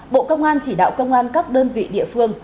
bộ công an chỉ đạo công an các đơn vị địa phương